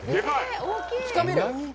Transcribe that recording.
つかめる？